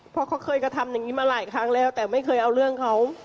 เพราะเขาเคยกระทำอย่างนี้มาหลายครั้งแล้วแต่ไม่เคยเอาเรื่องเขา